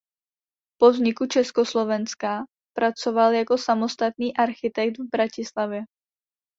Po vzniku Československa pracoval jako samostatný architekt v Bratislavě.